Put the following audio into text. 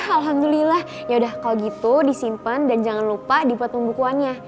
alhamdulillah yaudah kalau gitu disimpan dan jangan lupa dibuat pembukuannya